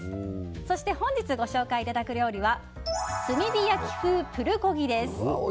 そして本日ご紹介いただく料理は炭火焼き風プルコギです。